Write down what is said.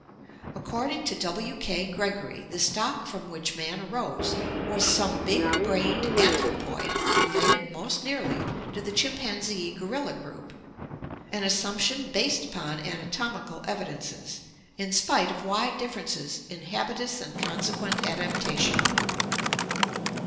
— According to W. K. Gregory, the stock from which man arose was some big brained anthropoid related most nearly to the chimpanzee gorilla group, an assumption based upon anatomical evidences, in spite of wide differences in habitus and consequent adaptation.